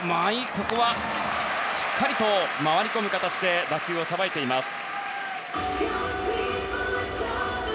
ここはしっかり回り込む形で打球をさばきました。